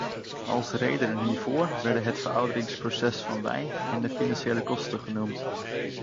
Als redenen hiervoor werden het verouderingsproces van wijn en de financiële kosten genoemd.